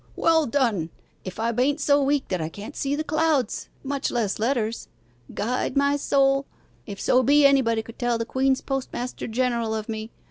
'Well done! If I baint so weak that I can't see the clouds much less letters. Guide my soul, if so be anybody should tell the Queen's postmaster general of me!